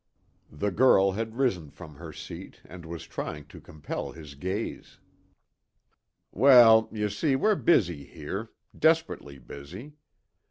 The girl had risen from her seat and was trying to compel his gaze. "Well, you see, we're busy here desperately busy.